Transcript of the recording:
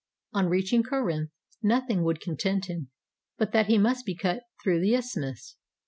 ... On reaching Corinth, nothing would content him but that he must cut through the isthmus.